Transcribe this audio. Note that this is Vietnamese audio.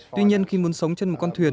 tuy nhiên khi muốn sống trên một con thuyền